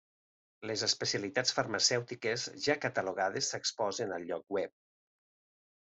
Les especialitats farmacèutiques ja catalogades s'exposen al lloc web.